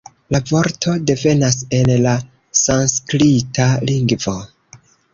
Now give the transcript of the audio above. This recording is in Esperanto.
La vorto devenas el la sanskrita lingvo.